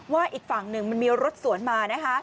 ว่าอีกฝั่งหนึ่งมันมีรถสวนมา